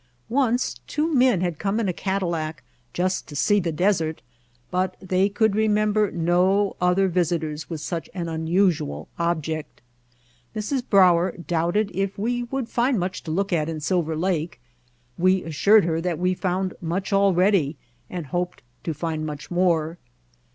Once two men had come in a Cadillac just to see the desert, but they could remember no other visitors with such an unusual object. Mrs. Brauer doubted if we would find much to look at in Silver Lake. We assured her that we found much already and hoped to find much more.